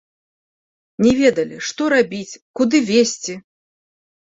Не ведалі, што рабіць, куды весці.